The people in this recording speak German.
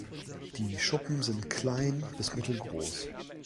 Die Schuppen sind klein bis mittelgroß.